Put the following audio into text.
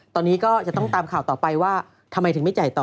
ตอนนี้ก็จะต้องตามข่าวต่อไปว่าทำไมถึงไม่จ่ายต่อ